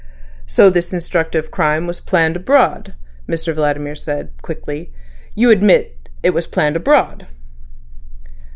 "So this instructive crime was planned abroad," Mr Vladimir said quickly. "You admit it was planned abroad?"